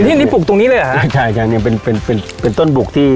นี่นี่ปุกตรงนี้เลยเหรอใช่ใช่นี่เป็นเป็นเป็นเป็นต้นบุกที่